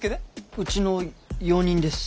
うちの用人です。